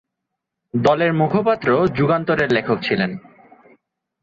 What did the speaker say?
দলের মুখপত্র "যুগান্তর" এর লেখক ছিলেন।